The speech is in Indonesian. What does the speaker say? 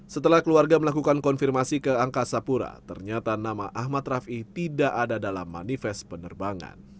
setelah keluarga melakukan konfirmasi ke angkasa pura ternyata nama ahmad rafi tidak ada dalam manifest penerbangan